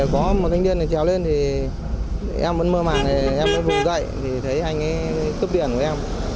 có một thanh niên này trèo lên thì em vẫn mơ màng em vẫn vừa dậy thì thấy anh ấy cướp điển với em